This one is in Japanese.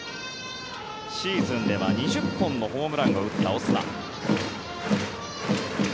シーズンでは２０本のホームランを打ったオスナ。